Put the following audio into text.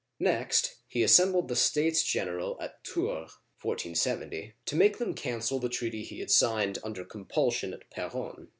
Next, he assembled the States General at Tours (1470), to make them cancel the treaty he had signed under com pulsion at Peronne.